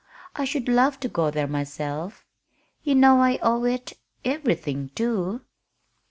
"I should love to go there myself. You know I owe it everything, too."